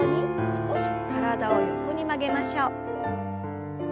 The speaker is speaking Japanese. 少し体を横に曲げましょう。